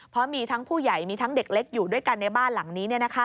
เพราะมีทั้งผู้ใหญ่มีทั้งเด็กเล็กอยู่ด้วยกันในบ้านหลังนี้